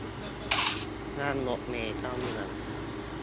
นั่งรถเมล์เข้าเมือง